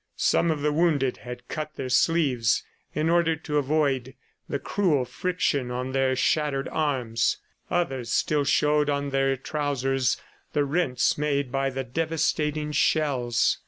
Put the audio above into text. Some of the wounded had cut their sleeves in order to avoid the cruel friction on their shattered arms, others still showed on their trousers the rents made by the devastating shells.